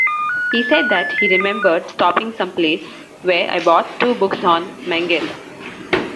He said that he remembered stopping someplace where I bought two books on Mengele.